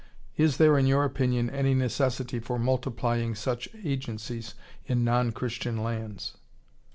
Is there in your opinion any necessity for multiplying such agencies in non Christian lands?